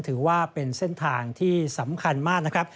ถือว่าเป็นเส้นทางที่สำคัญมาก